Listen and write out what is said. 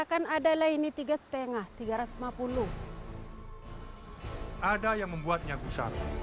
ada yang membuatnya gusar